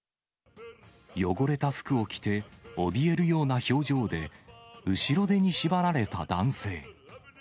汚れた服を着て、おびえるような表情で、後ろ手に縛られた男性。